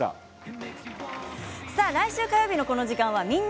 来週火曜日のこの時間は「みんな！